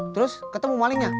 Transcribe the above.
terus ketemu malingnya